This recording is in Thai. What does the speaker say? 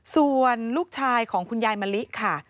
ส่วนลูกชายของคุณยายมะลิค่ะ